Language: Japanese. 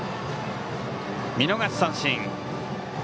見逃し三振。